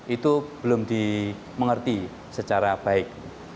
itu belum dimengerti secara baik